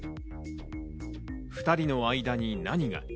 ２人の間に何が？